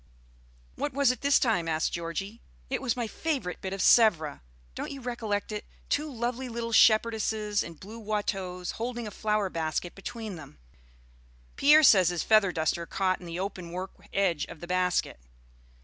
"What was it this time?" asked Georgie. "It was my favorite bit of Sèvres. Don't you recollect it, two lovely little shepherdesses in blue Watteaus, holding a flower basket between them? Pierre says his feather duster caught in the open work edge of the basket."